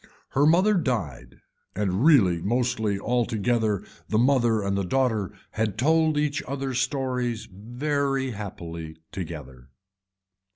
Her mother died and really mostly altogether the mother and the daughter had told each other stories very happily together.